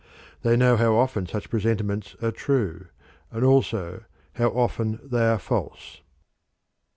They know how often such presentiments are true, and also how often they are false.